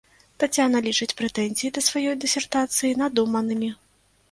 Таццяна лічыць прэтэнзіі да сваёй дысертацыі надуманымі.